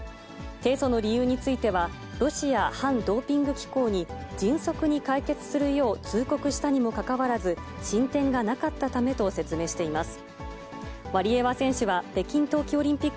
提訴の理由については、ロシア反ドーピング機構に迅速に解決するよう通告したにもかかわらず、進展がなかったためと説明しています。